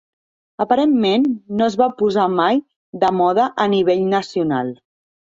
Aparentment, no es va posar mai de moda a nivell nacional.